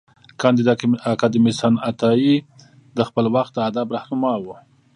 کانديد اکاډميسن عطايي د خپل وخت د ادب رهنما و.